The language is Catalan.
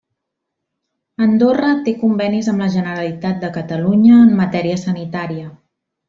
Andorra té convenis amb la Generalitat de Catalunya en matèria sanitària.